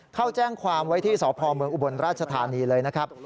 เข้าแจ้งความไว้ที่สพเมืองอุบลราชธานีเลยนะครับ